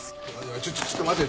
ちょっちょっと待てよ。